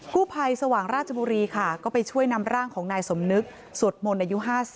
กู้ภัยสว่างราชบุรีค่ะก็ไปช่วยนำร่างของนายสมนึกสวดมนต์อายุ๕๐